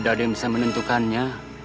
tidak ada yang bisa menentukannya